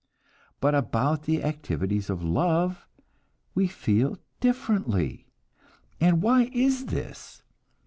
But about the activities of love we feel differently; and why is this?